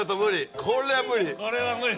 これは無理！